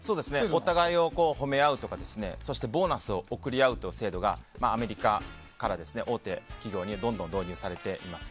お互いを褒め合うとかボーナスを贈り合う制度がアメリカから大手企業にどんどん導入されています。